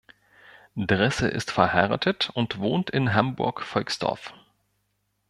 Dressel ist verheiratet und wohnt in Hamburg-Volksdorf.